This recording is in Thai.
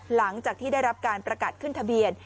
หลังจากที่ได้รับการประกาศขึ้นทะเบียน